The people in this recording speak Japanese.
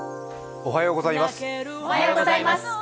おはようございます。